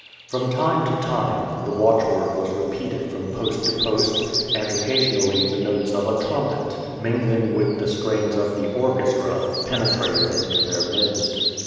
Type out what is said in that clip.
From time to time the watchword was repeated from post to post, and occasionally the notes of a trumpet, mingling with the strains of the orchestra, penetrated into their midst.